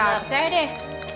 udah percaya deh